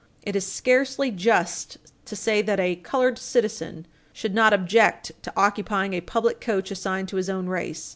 It is scarcely just to say that a colored citizen should not object to occupying a public coach assigned to his own race.